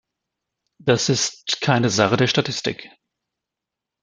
Das ist keine Sache der Statistik.